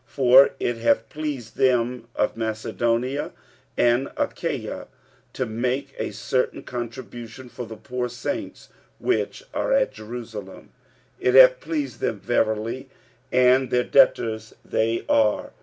45:015:026 For it hath pleased them of Macedonia and Achaia to make a certain contribution for the poor saints which are at Jerusalem. 45:015:027 It hath pleased them verily; and their debtors they are.